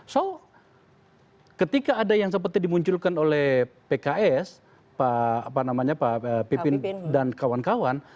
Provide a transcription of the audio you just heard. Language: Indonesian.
so ketika ada yang seperti dimunculkan oleh pks pak pipin dan kawan kawan